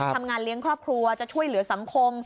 ทำงานเลี้ยงครอบครัวจะช่วยเหลือสังคม